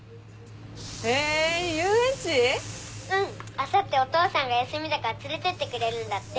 あさってお父さんが休みだから連れてってくれるんだって。